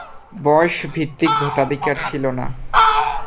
বয়স ভিত্তিক ভোটাধিকার ছিল না।